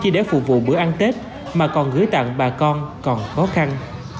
chỉ để phục vụ bữa ăn tết mà còn gửi tặng bà con còn khó khăn